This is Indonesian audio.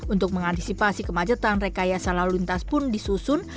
untuk mengantisipasi kemacetan rekayasa lalu lintas pun disusun